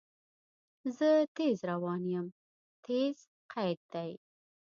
زه تیز روان یم – "تیز" قید دی.